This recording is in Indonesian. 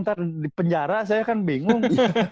ntar di penjara saya kan bingung